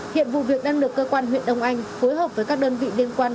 hiện vụ việc đăng lực cơ quan huyện đồng anh phối hợp với các đơn vị liên quan